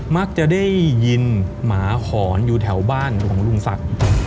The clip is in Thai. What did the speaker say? มักจะได้ยินหมาหอนอยู่แถวบ้านของลุงศักดิ์